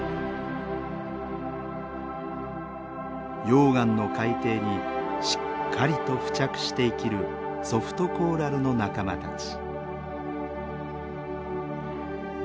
溶岩の海底にしっかりと付着して生きるソフトコーラルの仲間たち。